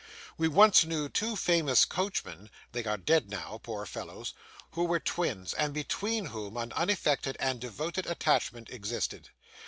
We once knew two famous coachmen (they are dead now, poor fellows) who were twins, and between whom an unaffected and devoted attachment existed.